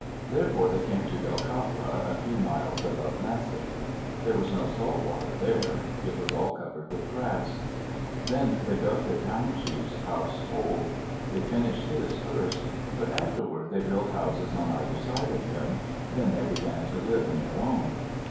Therefore they came to Delkatla, a few miles above Masset. There was no salt water there. It was all covered with grass. Then they dug the town chief's house hole. They finished his first. But afterward they built houses on either side of him. Then they began to live in their own.